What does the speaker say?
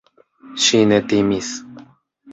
Ŝi ne timis.